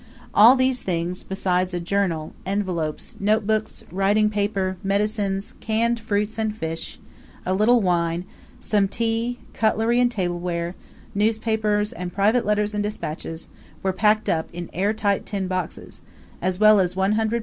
All these things, besides a journal, envelopes, note books, writing paper, medicines, canned fruits and fish, a little wine, some tea, cutlery and table ware, newspapers, and private letters and despatches, were packed up in air tight tin boxes, as well as 100 lbs.